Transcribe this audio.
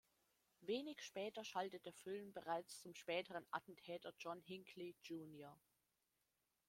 Wenig später schaltet der Film bereits zum späteren Attentäter John Hinckley, Jr.